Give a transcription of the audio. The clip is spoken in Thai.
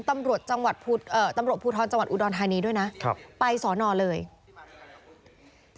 ตำรวจผู้ท้อนจังหวัดอุดรฮานีด้วยนะไปสอนอ่อเลยครับ